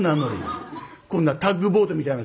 こんなタグボートみたいな顔してる。